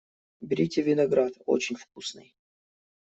Берите виноград, очень вкусный!